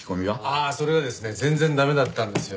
ああそれがですね全然駄目だったんですよ。